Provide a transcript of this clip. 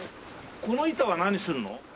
この板は何するの？